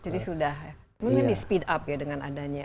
jadi sudah mungkin di speed up ya dengan adanya